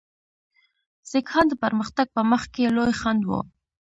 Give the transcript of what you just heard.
سیکهان د پرمختګ په مخ کې لوی خنډ وو.